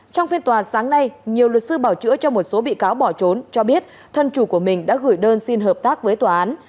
trong phiên tòa sáng nay nhiều luật sư bảo chữa cho một số bị cáo bỏ trốn cho biết thân chủ của mình đã gửi đơn xin hợp tác với tòa án